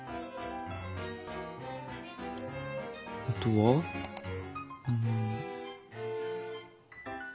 あとはん。